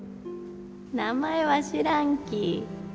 名前は知らんき。